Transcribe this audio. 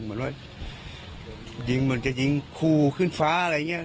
เหมือนว่ายิงเหมือนจะยิงคู่ขึ้นฟ้าอะไรอย่างนี้